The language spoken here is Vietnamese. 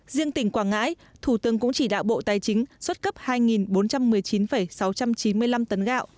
riêng tỉnh quảng ngãi thủ tướng cũng chỉ đạo bộ tài chính xuất cấp hai bốn trăm một mươi chín sáu trăm chín mươi năm tấn gạo